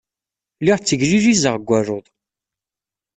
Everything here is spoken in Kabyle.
Lliɣ tteglilizeɣ deg waluḍ.